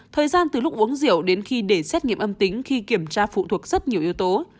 thời gian từ lúc uống rượu đến khi để xét nghiệm âm tính khi kiểm tra phụ thuộc rất nhiều yếu tố